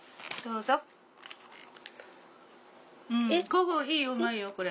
うんここいいようまいよこれ。